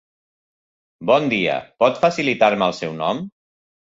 Bon dia, pot facilitar-me el seu nom?